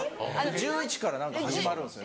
１１から何か始まるんですよ。